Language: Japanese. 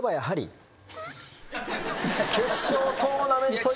決勝トーナメントには。